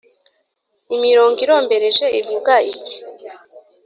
imirongo irombereje ivuga iki